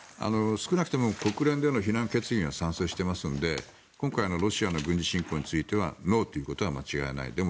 少なくとも国連での非難決議には賛成していますので今回のロシアの軍事侵攻についてノーということは間違いない。